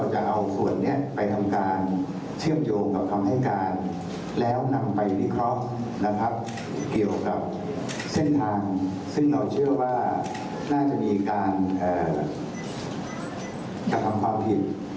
จนจะทำให้พบกระดูกของคุณธวรรภาชี